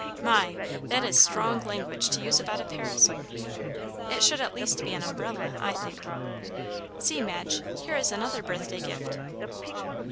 My! that is strong language to use about a parasol. It should at least be an umbrella, I think. See, Madge, here is another birthday gift."